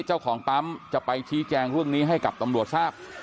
เจ้าของปั๊มจะไปชี้แจงเรื่องนี้ให้กับตำรวจทราบ